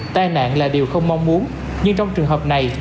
tai nạn là điều không mong muốn nhưng trong trường hợp này